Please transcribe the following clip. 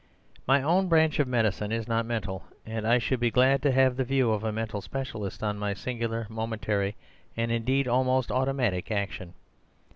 My own branch of medicine is not mental; and I should be glad to have the view of a mental specialist on my singular momentary and indeed almost automatic action.